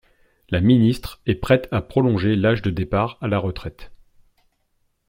La ministre est prête à prolonger l’âge de départ à la retraite.